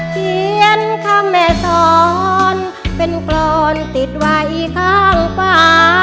เขียนคำแม่สอนเป็นกรอนติดไว้ข้างฟ้า